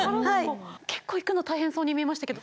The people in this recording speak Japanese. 結構行くの大変そうに見えましたけど。